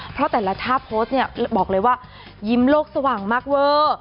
เพราะแต่ละท่าโพสต์เนี่ยบอกเลยว่ายิ้มโลกสว่างมากเวอร์